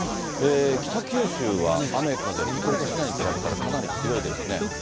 北九州は雨風、福岡市内に比べたら、かなり強いですね。